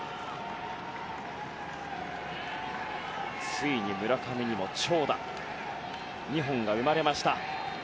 ついに村上にも長打２本が生まれました。